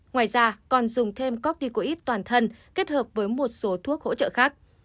ngoài ra còn dùng thêm corticoid toàn thân kết hợp với một số thuốc hỗ trợ khác